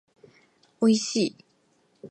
おいしい